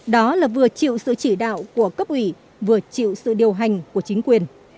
đó là vừa chịu sự chỉ đạo của cấp ủy vừa chịu sự điều hành của chính quyền